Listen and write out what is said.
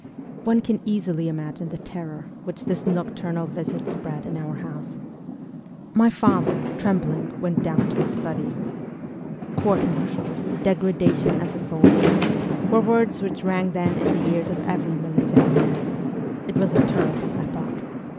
One can easily imagine the terror which this noctur nal visit spread in our house. My father, trembling, went down to his study. ' Court martial, degradation as a soldier,' were words which rang then in the ears of every military man ; it was a terrible epoch.